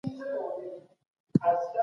د ویزو د ورکړې بهیر خورا ستونزمن کړای سوی دی.